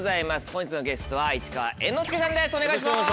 本日のゲストは市川猿之助さんです